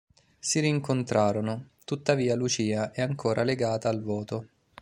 Si rincontrano, tuttavia Lucia è ancora legata al voto.